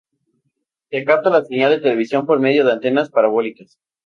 Se capta la señal de televisión por medio de antenas parabólicas.